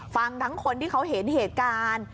ฟังทั้งคนที่เขาเห็นเหตุการณ์